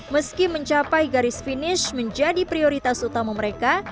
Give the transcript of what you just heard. meski mencapai garis finish menjadi prioritas utama mereka